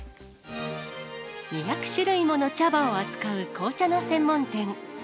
２００種類もの茶葉を扱う紅茶の専門店。